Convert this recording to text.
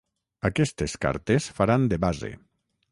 Aquestes cartes faran de base.